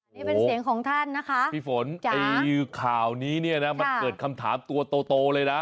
นี่เป็นเสียงของท่านนะคะพี่ฝนไอ้ข่าวนี้เนี่ยนะมันเกิดคำถามตัวโตเลยนะ